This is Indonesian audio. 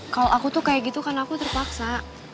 kalau aku tuh kayak gitu kan aku terpaksa